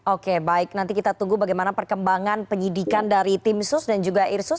oke baik nanti kita tunggu bagaimana perkembangan penyidikan dari tim sus dan juga irsus